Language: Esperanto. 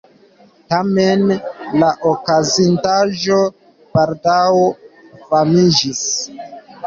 Tamen la okazintaĵo baldaŭ famiĝis.